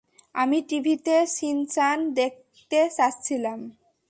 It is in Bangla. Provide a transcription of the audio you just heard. আমি টিভিতে সিনচান দেখতে যাচ্ছিলাম।